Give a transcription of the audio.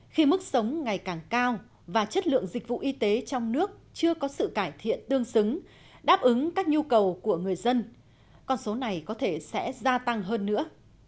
khi mức sống ngày càng cao và chất lượng dịch vụ y tế trong nước chưa có sự cải thiện tương xứng đáp ứng các nhu cầu của người dân con số này có thể sẽ gia tăng hơn nữa